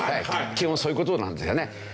基本そういう事なんですよね。